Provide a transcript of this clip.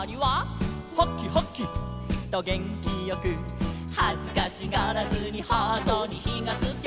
「ハキハキ！とげんきよく」「はずかしがらずにハートにひがつきゃ」